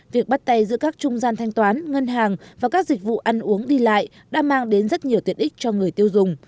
việc bắt tay giữa các trung gian thanh toán ngân hàng và các dịch vụ ăn uống đi lại đã mang đến rất nhiều tiện ích cho người tiêu dùng